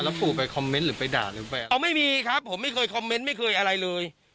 ปู่ไปคอมเมนต์หรือไปด่าหรือไปเอาไม่มีครับผมไม่เคยคอมเมนต์ไม่เคยอะไรเลย